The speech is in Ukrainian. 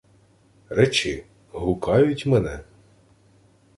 — Речи: гукають мене.